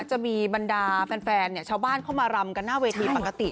จะมีบรรดาแฟนชาวบ้านเข้ามารำกันหน้าเวทีปกติ